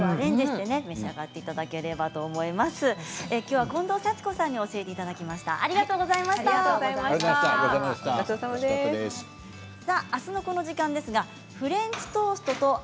きょうは近藤幸子さんに教えていただきました。